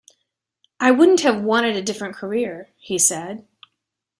I wouldn't have wanted a different career, he said.